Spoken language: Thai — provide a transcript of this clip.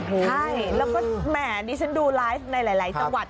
ใช่แล้วก็แหมดิฉันดูไลฟ์ในหลายจังหวัด